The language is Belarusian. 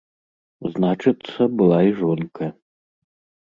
Значыцца, была і жонка.